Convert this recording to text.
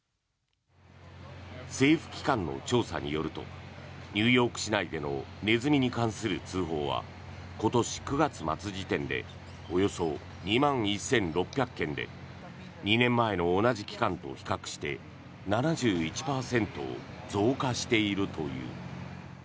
政府機関の調査によるとニューヨーク市内でのネズミに関する通報は今年９月末時点でおよそ２万１６００件で２年前の同じ期間と比較して７１％増加しているという。